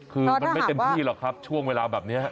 คือมันไม่เต็มที่หรอกครับช่วงเวลาแบบนี้